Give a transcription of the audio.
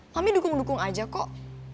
kami dukung dukung aja kok